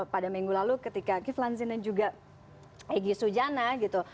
pada minggu lalu ketika kiflan zin dan juga egy sujana gitu